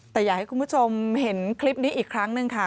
แต่อยากให้คุณผู้ชมเห็นคลิปนี้อีกครั้งหนึ่งค่ะ